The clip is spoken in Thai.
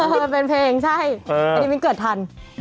มันเป็นเพลงใช่อันนี้มิ้นเกิดทัน